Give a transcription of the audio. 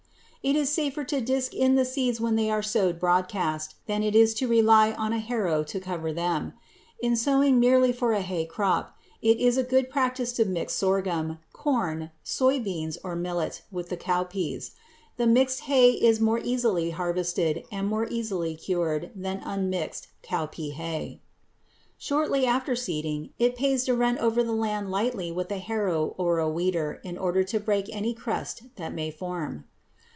It is safer to disk in the seeds when they are sowed broadcast than it is to rely on a harrow to cover them. In sowing merely for a hay crop, it is a good practice to mix sorghum, corn, soy beans, or millet with the cowpeas. The mixed hay is more easily harvested and more easily cured than unmixed cowpea hay. Shortly after seeding, it pays to run over the land lightly with a harrow or a weeder in order to break any crust that may form.